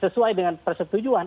sesuai dengan persetujuan